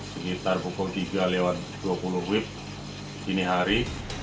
sekitar pukul tiga lewat dua puluh wib dinihari